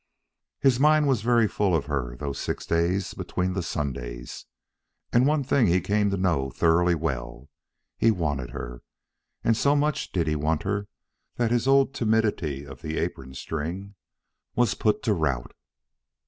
His mind was very full of her, those six days between the Sundays, and one thing he came to know thoroughly well; he wanted her. And so much did he want her that his old timidity of the apron string was put to rout.